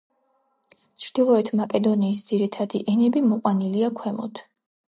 ჩრდილოეთ მაკედონიის ძირითადი ენები მოყვანილია ქვემოთ.